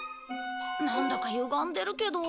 なんだかゆがんでるけど。